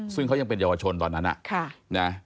ซึ่งเขายังเป็นเยาวชนตอนนั้น